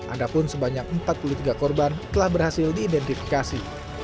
adapun sebanyak empat puluh tiga korban telah berhasil diidentifikasi